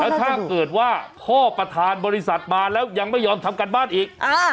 ถ้าเกิดว่าพ่อประธานบริษัทมาแล้วยังไม่ยอมทำการบ้านอีก